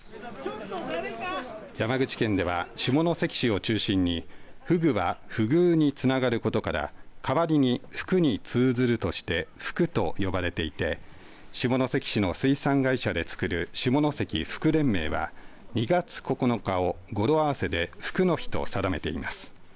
山口県では下関市を中心にふぐは不遇につながることから代わりに福に通ずるとしてふくと呼ばれていて下関市の水産会社で作る下関ふく連盟は２月９日を語呂合わせでふくの日と定めています。